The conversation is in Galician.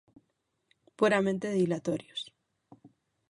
Puramente dilatorios.